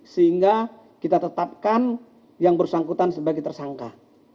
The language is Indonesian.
sehingga kita tetapkan yang bersangkutan sebagai tersangka